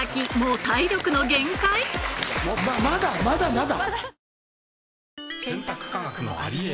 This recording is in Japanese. まだまだまだ。